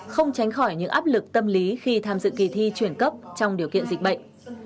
không tránh khỏi những áp lực tâm lý khi tham dự kỳ thi chuyển cấp trong điều kiện dịch bệnh